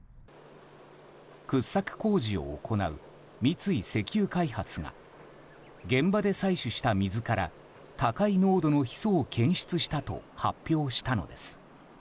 掘削現場を行う三井石油開発が現場で採取した水から高い濃度のヒ素を検出したと発表したのです。